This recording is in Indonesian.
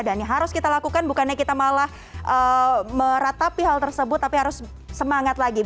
dan ini harus kita lakukan bukannya kita malah meratapi hal tersebut tapi harus semangat lagi